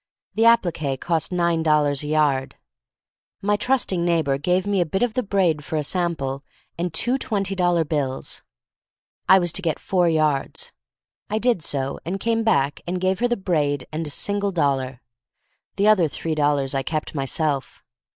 The applique cost nine dollars a yard. My trusting neighbor gave me a bit of the braid for a sample and two twenty dollar bills. I was to get four yards. I did so, and came back and gave her the braid and a single dollar. The other three dol lars I kept myself.